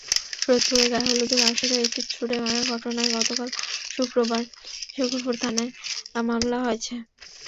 শরীয়তপুরে গায়েহলুদের আসরে অ্যাসিড ছুড়ে মারার ঘটনায় গতকাল শুক্রবার সখীপুর থানায় মামলা হয়েছে।